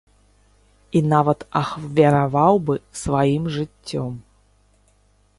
І нават ахвяраваў бы сваім жыццём.